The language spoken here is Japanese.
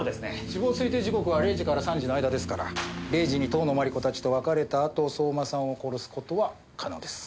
死亡推定時刻は０時から３時の間ですから０時に遠野麻理子たちと別れたあと相馬さんを殺す事は可能です。